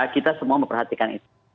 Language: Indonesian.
kita semua memperhatikan itu